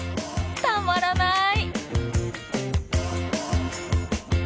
たまらない！